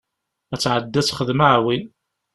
Ad tɛeddi ad texdem aɛwin.